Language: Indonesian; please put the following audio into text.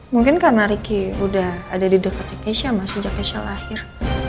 mungkin karena ricky udah ada di dekatnya kece sama sejak kece lahir